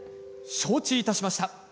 承知いたしました。